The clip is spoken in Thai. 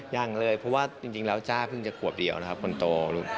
ยังเลยเพราะว่าจริงแล้วจ้าเพิ่งจะขวบเดียวนะครับคนโตลูก